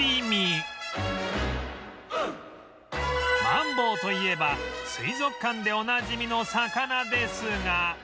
マンボウといえば水族館でおなじみの魚ですが